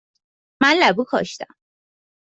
من لبو کاشتم.